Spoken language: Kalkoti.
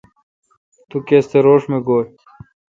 تو کس تھ روݭ گویہ۔